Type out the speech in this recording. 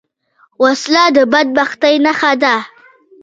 وسله د بدبختۍ نښه ده